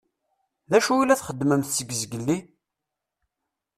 D acu i la txeddmemt seg zgelli?